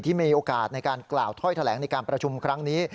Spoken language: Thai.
มีโอกาสในการกล่าวถ้อยแถลงในการประชุมครั้งนี้